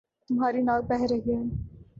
تمہاری ناک بہ رہی ہے